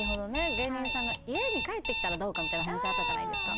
芸人さんが家に帰ってきたらどうかみたいな話あったじゃないですか